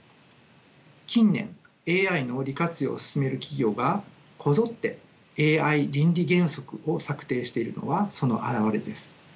近年ＡＩの利活用を進める企業がこぞってＡＩ倫理原則を策定しているのはその表れです。